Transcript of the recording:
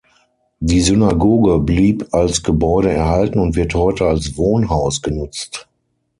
Die Synagoge blieb als Gebäude erhalten und wird heute als Wohnhaus genutzt.